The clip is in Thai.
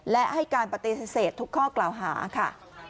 และให้การปฏิเสธทุกข้อกล่าวหาค่ะ